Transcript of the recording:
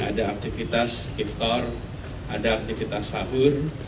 ada aktivitas giftar ada aktivitas sahur